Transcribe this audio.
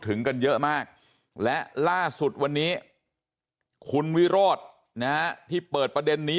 ถึงกันเยอะมากและล่าสุดวันนี้คุณวิโรธที่เปิดประเด็นนี้